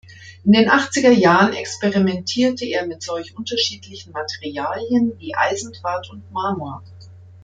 In den achtziger Jahren experimentierte er mit solch unterschiedlichen Materialien wie Eisendraht und Marmor.